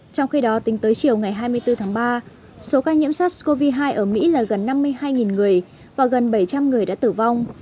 trong khi đó tính tới chiều ngày hai mươi bốn tháng ba số ca nhiễm sars cov hai ở mỹ là gần năm mươi hai người và gần bảy trăm linh người đã tử vong